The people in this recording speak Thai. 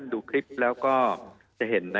มีความรู้สึกว่ามีความรู้สึกว่า